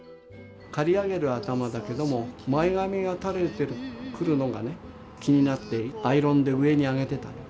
刈り上げる頭だけども前髪が垂れてくるのが気になってアイロンで上にあげてたの。